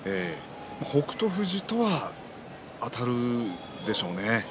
北勝富士とはあたるでしょうね。